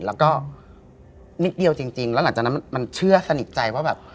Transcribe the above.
แล้วก็นิดเดียวจริงแล้วหลังจากนั้นมันเชื่อสนิทใจว่าแบบ